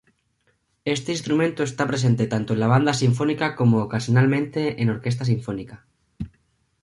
Este instrumento está presente tanto en la Banda sinfónica como ocasionalmente en Orquesta sinfónica.